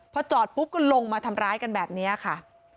พอจอดปุ๊บก็ลงมาทำร้ายกันแบบนี้ค่ะ